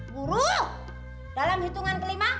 guru dalam hitungan kelima